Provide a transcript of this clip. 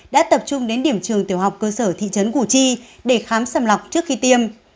đã tập trung đến điểm trường tiểu học cơ sở thị trấn củ chi để khám sầm lọc trước khi tiêm